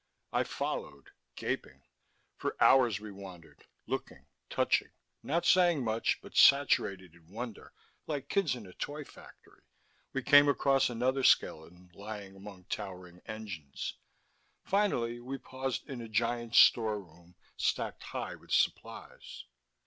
I followed, gaping. For hours we wandered, looking, touching, not saying much but saturated in wonder, like kids in a toy factory. We came across another skeleton, lying among towering engines. Finally we paused in a giant storeroom stacked high with supplies.